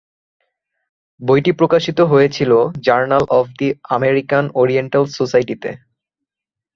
বইটি প্রকাশিত হয়েছিল Journal of the American Oriental সোসাইটিতে।